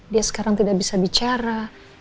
dia sekarang tidak bisa bicara